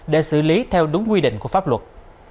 để xử lý theo đúng quy định của pháp luật